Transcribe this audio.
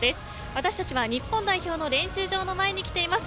私たちは日本代表の練習場の前に来ています。